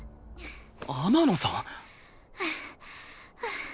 天野さん！？